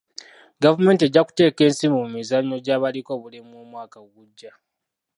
Gavumenti ejja kuteeka ensimbi mu mizannyo gy'abaliko obulemu omwaka ogujja.